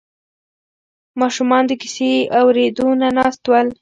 ماشومان د کیسې اورېدو ته ناست ول.